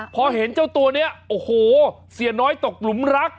พอเห็นเจ้าตัวนี้โอ้โหเสียน้อยตกหลุมรัก